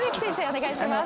お願いします。